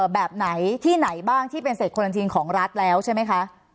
แบบไหนที่ไหนบ้างที่เป็นเศษโครันทีนของรัฐแล้วใช่ไหมคะ